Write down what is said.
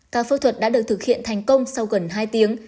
ca phẫu thuật đã được thực hiện thành công sau gần hai tiếng